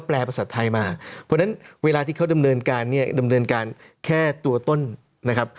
เพราะฉะนั้นเวลาที่เขาดำเนินการดำเนินการแค่ตัวต้นนะครับ